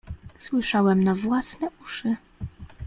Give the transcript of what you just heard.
"Słyszałem na własne uszy."